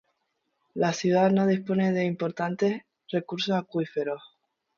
La ciudad no dispone de importantes recursos acuíferos.